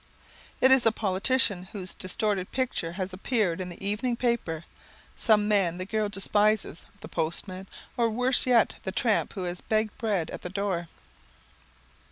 It is a politician whose distorted picture has appeared in the evening paper, some man the girl despises, the postman, or worse yet, the tramp who has begged bread at the door.